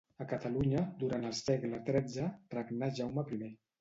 A Catalunya, durant el segle tretze, regnà Jaume I.